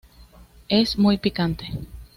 Es muy picante.